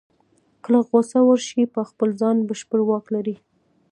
کله غوسه ورشي په خپل ځان بشپړ واک ولري.